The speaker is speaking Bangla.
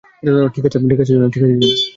ঠিক আছে, জনি।